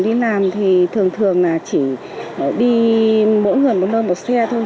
đi làm thì thường thường là chỉ đi mỗi người một nơi một xe thôi